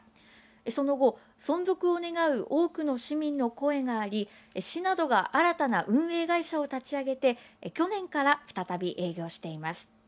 その後、存続を願う多くの市民の声があり市などが新たな運営会社を立ち上げて去年から再び営業しています。